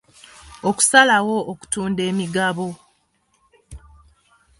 Okusalawo okutunda emigabo.